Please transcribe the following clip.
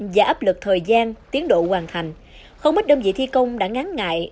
và áp lực thời gian tiến độ hoàn thành không ít đơn vị thi công đã ngán ngại